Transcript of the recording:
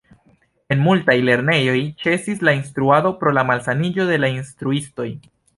En multaj lernejoj ĉesis la instruado pro la malsaniĝo de la instruistoj.